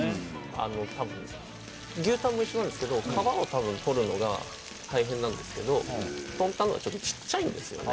あのたぶん牛タンも一緒なんですけど皮をたぶん取るのが大変なんですけど豚タンのほうがちょっとちっちゃいんですよね